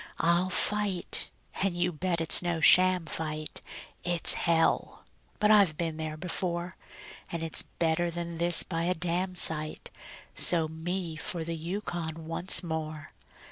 I'll fight and you bet it's no sham fight; It's hell! but I've been there before; And it's better than this by a damsite So me for the Yukon once more.